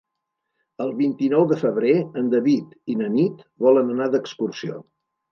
El vint-i-nou de febrer en David i na Nit volen anar d'excursió.